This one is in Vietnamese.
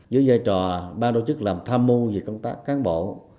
giữa giai trò ba đối chức làm tham mưu về công tác cán bộ